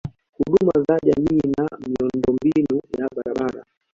Huduma za jamii na Miundombinu ya barabara